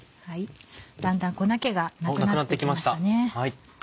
だんだん粉気がなくなって来ました。